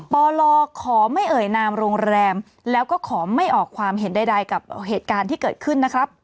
ปลขอไม่เอ่ยนามโรงแรมแล้วก็ขอไม่ออกความเห็นใดกับเหตุการณ์ที่เกิดขึ้นนะครับ